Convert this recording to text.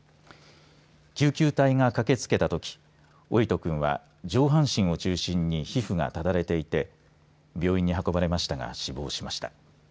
救急隊が駆けつけたとき桜利斗くんは上半身を中心に皮膚がただれていて病院に運ばれましたが死亡しました。